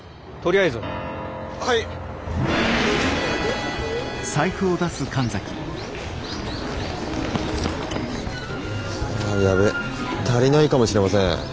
あやべ足りないかもしれません。